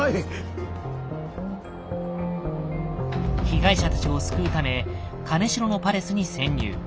被害者たちを救うため金城のパレスに潜入。